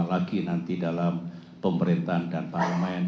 lagi nanti dalam pemerintahan dan pahlawan